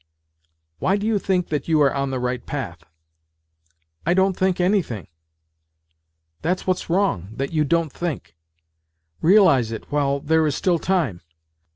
..." Why, do you think that you are on the right path ?"" I don't think anything." '' That's what's wrong, that you don't think. Realize it while there is still time.